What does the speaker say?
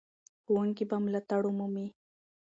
ښوونکي به ملاتړ ومومي.